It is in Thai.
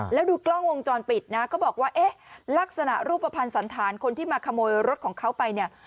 แล้วดูกล้องวงจรปิดนะก็บอกว่าเอ๊ะลักษณะรูปภัณฑ์สันธารคนที่มาขโมยรถของเขาไปเนี่ย